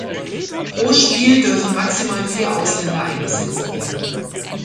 Pro Spiel dürfen maximal vier Ausländer eingesetzt werden.